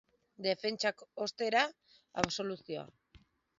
Defentsak, ostera, absoluzioa.